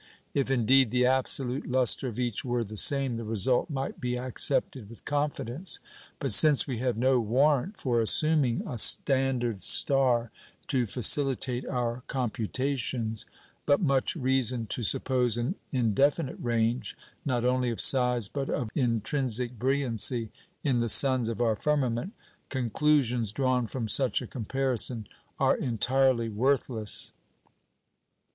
If indeed the absolute lustre of each were the same, the result might be accepted with confidence; but since we have no warrant for assuming a "standard star" to facilitate our computations, but much reason to suppose an indefinite range, not only of size but of intrinsic brilliancy, in the suns of our firmament, conclusions drawn from such a comparison are entirely worthless.